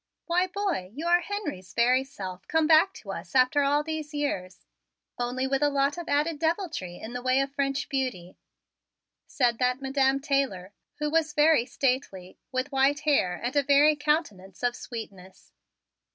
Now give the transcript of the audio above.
"Why, boy, you are Henry's very self come back to us after all these years only with a lot of added deviltry in the way of French beauty," said that Madam Taylor, who was very stately, with white hair and a very young countenance of sweetness.